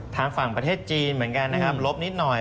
ทางฝั่งประเทศจีนเหมือนกันนะครับลบนิดหน่อย